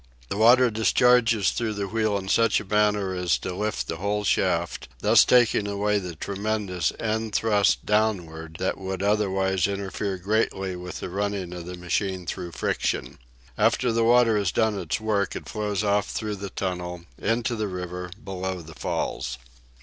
The water discharges through the wheel in such a manner as to lift the whole shaft, thus taking away the tremendous end thrust downward that would otherwise interfere greatly with the running of the machine through friction. After the water has done its work it flows off through the tunnel into the river below the falls.